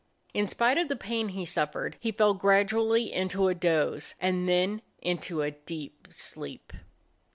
In spite of the pain he suffered he fell gradually into a doze, and then into a deep sleep.